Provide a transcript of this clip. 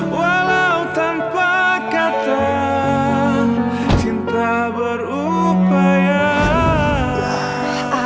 walau tanpa kata cinta berupaya